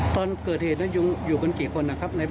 ตอนเกิดเห็น